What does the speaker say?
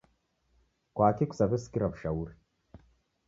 Kwaki kusaw'esikira w'ushauri?